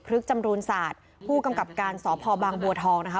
พฤกษ์จำรูนศาสตร์ผู้กำกับการสพบางบัวทอง